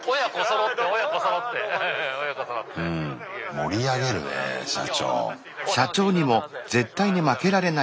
盛り上げるねえ社長。